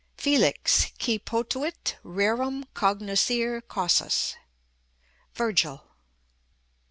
"Felix, qui potuit rerum cognoscere causas." VIRGIL.